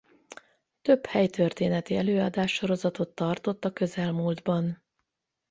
Több helytörténeti előadássorozatot tartott a közelmúltban.